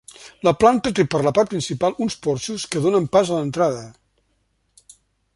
La planta té per la part principal uns porxos que donen pas a l'entrada.